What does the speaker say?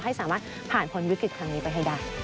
ให้สามารถผ่านพ้นวิกฤตครั้งนี้ไปให้ได้